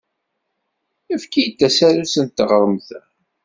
Efk-iyi-d tasarut n teɣremt-a!